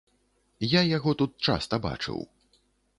Я яго тут часта бачыў.